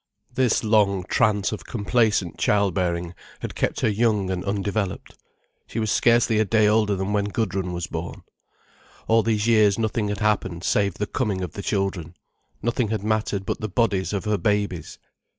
This long trance of complacent child bearing had kept her young and undeveloped. She was scarcely a day older than when Gudrun was born. All these years nothing had happened save the coming of the children, nothing had mattered but the bodies of her babies.